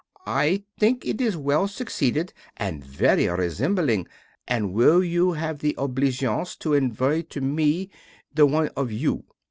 I think it is well succeeded and very resembling, and will you have the obligeance to envoy to me the one of you?